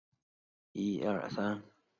普热米斯尔王朝的波希米亚公爵。